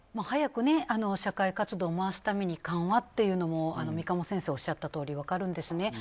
早く社会活動を回すために緩和というのも三鴨先生がおっしゃったとおり分かるんですね。